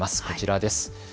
こちらです。